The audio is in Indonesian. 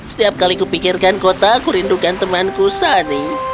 setiap kali kupikirkan kota aku rindukan temanku sunny